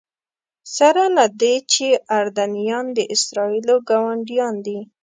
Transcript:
سره له دې چې اردنیان د اسرائیلو ګاونډیان دي.